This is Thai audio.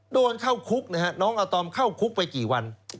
โดนเข้าคุกนะฮะน้องอาตอมเข้าคุกไปกี่วัน